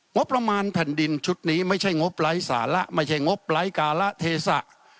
งบประมาณแผ่นดินชุดนี้ไม่ใช่งบไร้สาระไม่ใช่งบไร้การะเทศะ